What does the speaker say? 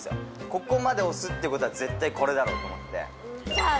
ここまで推すってことは絶対これだろと思ってさあ